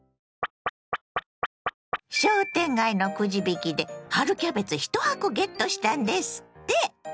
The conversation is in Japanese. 商店街のくじ引きで春キャベツ１箱ゲットしたんですって！